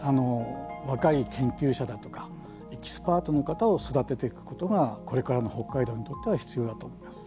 若い研究者だとかエキスパートの方を育てていくことがこれからの北海道にとっては必要だと思います。